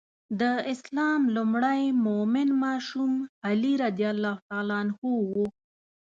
د اسلام لومړی مؤمن ماشوم علي رض و.